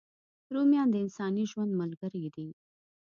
رومیان د انساني ژوند ملګري دي